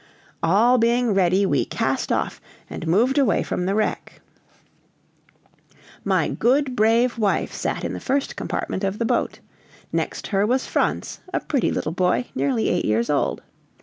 All being ready, we cast off, and moved away from the wreck. My good, brave wife sat in the first compartment of the boat; next her was Franz, a pretty little boy, nearly eight years old.